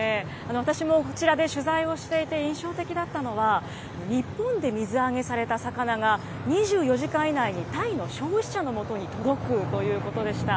私もこちらで取材をしていて印象的だったのは、日本で水揚げされた魚が、２４時間以内にタイの消費者のもとに届くということでした。